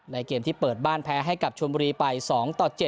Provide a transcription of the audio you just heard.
เกมที่เปิดบ้านแพ้ให้กับชวนบุรีไป๒ต่อ๗